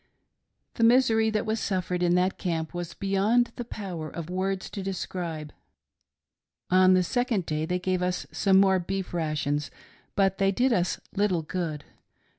The misery that was suffeired in that camp was beyond the power of words to describe. On the second day they gave us some more beef rations, but they did us little good.